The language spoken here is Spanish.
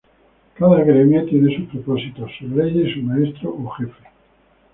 Cada gremio tiene sus propósitos, sus leyes y su maestro o jefe.